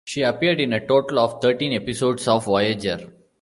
She appeared in a total of thirteen episodes of "Voyager".